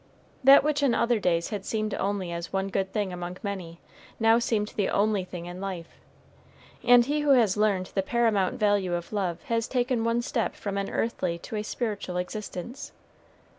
That which in other days had seemed only as one good thing among many now seemed the only thing in life. And he who has learned the paramount value of love has taken one step from an earthly to a spiritual existence.